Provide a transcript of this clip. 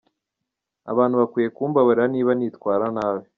Abantu bakwiye kumbabarira niba nitwara nabi.